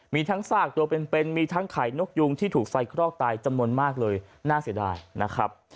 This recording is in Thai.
มีทั้งซากตัวเป็นมีทั้งไข่นกยุงที่ถูกไฟคลอกตายจำนวนมากเลยน่าเสียดายนะครับ